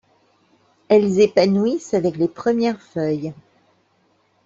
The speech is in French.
Elles épanouissent avec les premières feuilles.